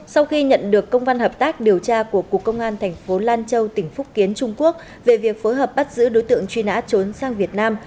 sau khi nhận được công văn hợp tác điều tra của cục công an thành phố lan châu tỉnh phúc kiến trung quốc về việc phối hợp bắt giữ đối tượng truy nã trốn sang việt nam